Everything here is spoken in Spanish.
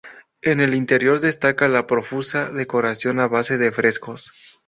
En el interior destaca la profusa decoración a base de frescos.